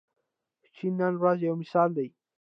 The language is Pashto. چین نن ورځ یو مثال دی.